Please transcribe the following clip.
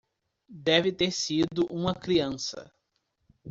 Deve ter sido uma criança.